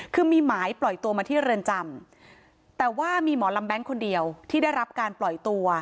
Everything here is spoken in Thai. คือมีหมายปล่อยตัวมาที่เรือนจำแต่ว่ามีหมอลำแบงค์คนเดียวที่ได้รับการปล่อยตัว